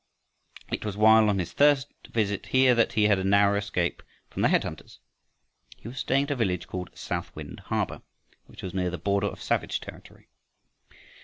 It was while on his third visit here that he had a narrow escape from the head hunters. He was staying at a village called "South Wind Harbor," which was near the border of savage territory.